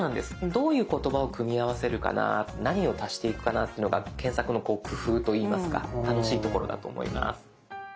どういう言葉を組み合わせるかな何を足していくかなっていうのが検索の工夫といいますか楽しいところだと思います。